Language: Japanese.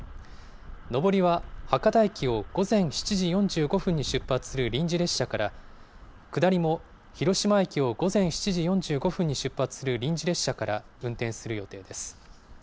上りは博多駅を午前７時４５分に出発する臨時列車から、下りも広島駅を午前７時４５分に出発する臨時列車から運転する予定です。